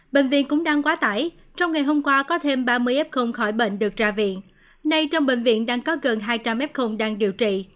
bệnh viện cũng đang quá tải trong ngày hôm qua có thêm ba mươi f khỏi bệnh được ra viện nay trong bệnh viện đang có gần hai trăm linh f đang điều trị